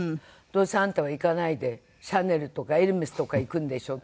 「どうせあんたは行かないでシャネルとかエルメスとか行くんでしょ」って言われて。